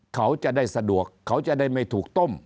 เขาจะได้สะดวกเขาจะได้ไม่ถูกต้ม